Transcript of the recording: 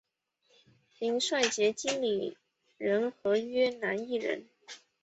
林师杰经理人合约男艺员。